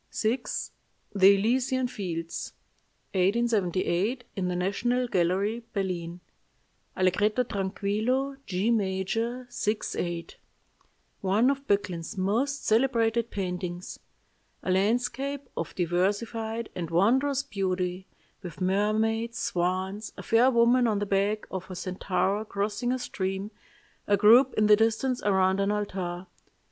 "VI. THE ELYSIAN FIELDS (1878; in the National Gallery, Berlin) "Allegretto tranquillo, G major, 6 8. One of Böcklin's most celebrated paintings. A landscape of diversified and wondrous beauty, with mermaids, swans, a fair woman on the back of a centaur crossing a stream, a group in the distance around an altar.